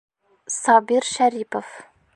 Сабир ШӘРИПОВ